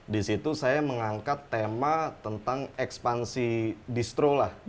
di situ saya mengangkat tema tentang ekspansi distro lah